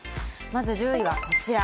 まず１０位はこちら。